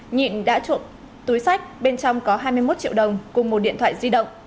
nhị đã trộn túi sách bên trong có hai mươi một triệu đồng cùng một điện thoại di động